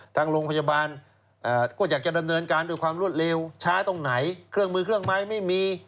ทางโรงพยาบาลก็อยากจะดำเนินการด้วยความรวดเร็วช้าตรงไหนเครื่องมือเครื่องไม้ไม่มี